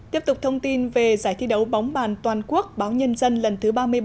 tiếp tục thông tin về giải thi đấu bóng bàn toàn quốc báo nhân dân lần thứ ba mươi bảy